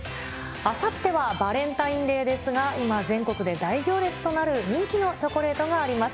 あさってはバレンタインデーですが、今、全国で大行列となる人気のチョコレートがあります。